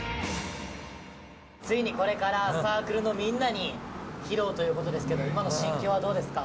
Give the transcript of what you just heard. ついにこれからサークルのみんなに披露という事ですけど今の心境はどうですか？